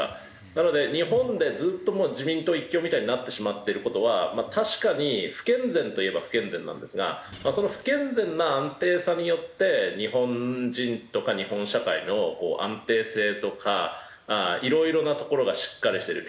なので日本でずっともう自民党一強みたいになってしまってる事は確かに不健全といえば不健全なんですがまあその不健全な安定さによって日本人とか日本社会の安定性とかいろいろなところがしっかりしてる。